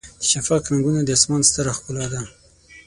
د شفق رنګونه د اسمان ستره ښکلا ده.